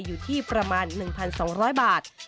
อยู่ที่ประมาณ๑๒๐๐บาท